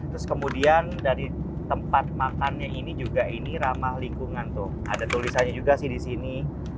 terus kemudian dari tempat makannya ini juga ini ramah lingkungan tuh ada tulisannya juga sih di sini